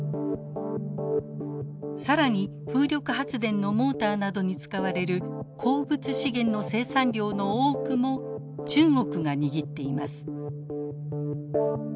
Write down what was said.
更に風力発電のモーターなどに使われる鉱物資源の生産量の多くも中国が握っています。